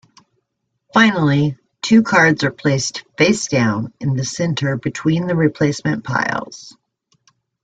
Finally, two cards are placed face down in the center between the replacement piles.